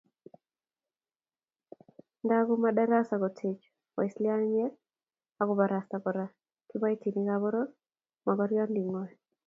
Ndako madrassa kotechi waislamiek akobarasta Kora kiboitinikab poror mogornondingwai